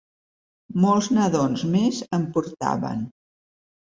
Molts nadons més en portaven.